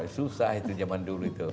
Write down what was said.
susah itu zaman itu